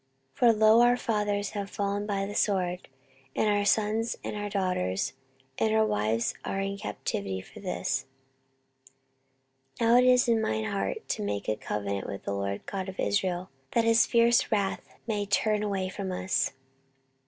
14:029:009 For, lo, our fathers have fallen by the sword, and our sons and our daughters and our wives are in captivity for this. 14:029:010 Now it is in mine heart to make a covenant with the LORD God of Israel, that his fierce wrath may turn away from us.